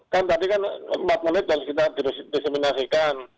kan tadi kan empat menit dan kita diseminasi kan